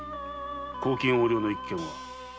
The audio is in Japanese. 公金横領の一件は？